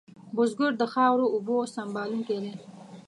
بزګر د خاورو اوبو سنبالونکی دی